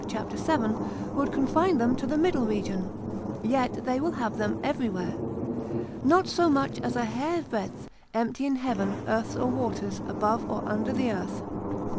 cap. 7. would confine them to the middle region, yet they will have them everywhere. Not so much as a hair breadth empty in heaven, earth, or waters, above or under the earth.